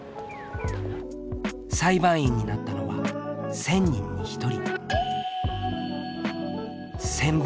裁判員になったのは１０００人に１人。